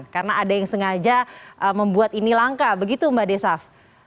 karena ada yang sengaja membuat ini langka begitu mbak desaf